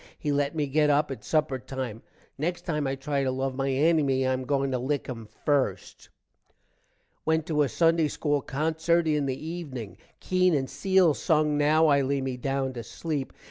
he let me get up at supper time. next time i try to love my ennymy i am a going to lick him first. Went to a sunday school concert in the evening. Keene and Cele sung now i lay me down to sleep.